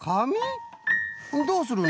どうするの？